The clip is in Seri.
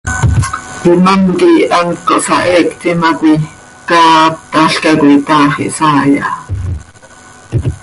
Imám quih hant cohsaheectim ha coi caahatalca coi, taax ihsaai aha.